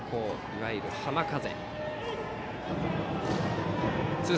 いわゆる浜風。